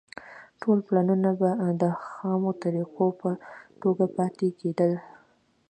ټول پلانونه به د خامو طرحو په توګه پاتې کېدل